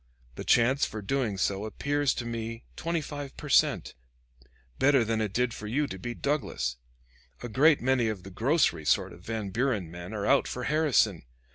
The chance for doing so appears to me twenty five per cent, better than it did for you to beat Douglas. A great many of the grocery sort of Van Buren men are out for Harrison.